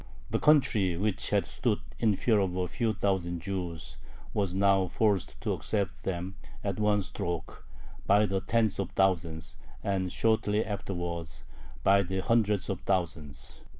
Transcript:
The country which had stood in fear of a few thousand Jews was now forced to accept them, at one stroke, by the tens of thousands and, shortly afterwards, by the hundreds of thousands.